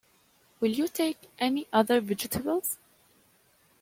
Will you take any other vegetables?